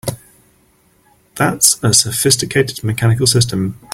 That's a sophisticated mechanical system!